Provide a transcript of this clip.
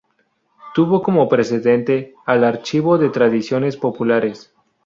Tuvo como precedente al Archivo de Tradiciones Populares.